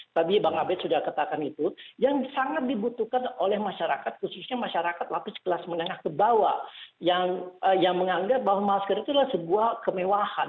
tadi bang abed sudah katakan itu yang sangat dibutuhkan oleh masyarakat khususnya masyarakat lapis kelas menengah ke bawah yang menganggap bahwa masker itu adalah sebuah kemewahan